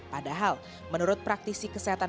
padahal menurut praktisi kesehatan